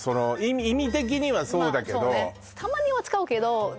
意味的にはそうだけどそうね